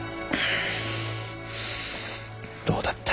どうだった？